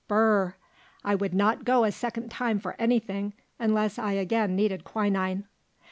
Brr! I would not go a second time for anything, unless I again needed quinine."